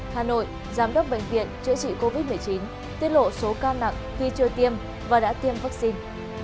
hà nội giám đốc bệnh viện chữa trị covid một mươi chín tiết lộ số ca nặng khi chưa tiêm và đã tiêm vaccine